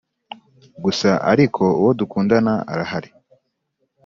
gusa ariko uwo dukundana arahari